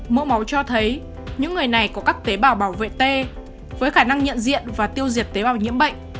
mẫu máu cho thấy những người này có các tế bào bảo vệ t với khả năng nhận diện và tiêu diệt tế bào nhiễm bệnh